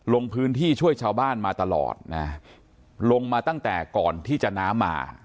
ลงพื้นที่ช่วยชาวบ้านมาตลอดนะลงมาตั้งแต่ก่อนที่จะน้ำมา